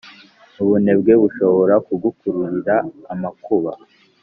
ubunebwe bushobora kugukururira amakuba,